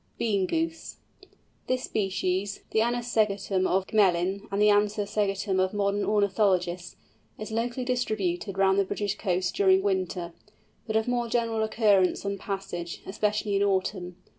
BEAN GOOSE. This species, the Anas segetum of Gmelin, and the Anser segetum of modern ornithologists, is locally distributed round the British coasts during winter, but of more general occurrence on passage, especially in autumn.